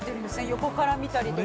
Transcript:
横から見たりとか。